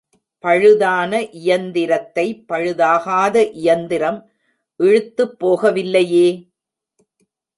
பழுதான இயந்திரத்தை, பழுதாகாத இயந்திரம் இழுத்துப் போகவில்லையே!